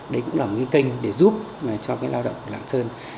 đấy cũng là một cái kênh để giúp cho cái lao động lạng sơn